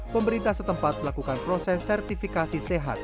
pemerintah setempat melakukan proses sertifikasi sehat